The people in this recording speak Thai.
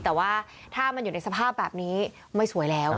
แต่ว่าถ้ามันอยู่ในสภาพแบบนี้ไม่สวยแล้ว